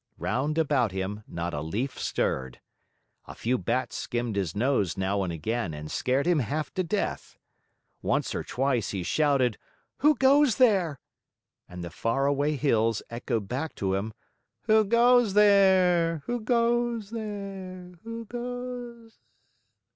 Round about him, not a leaf stirred. A few bats skimmed his nose now and again and scared him half to death. Once or twice he shouted, "Who goes there?" and the far away hills echoed back to him, "Who goes there? Who goes there? Who goes.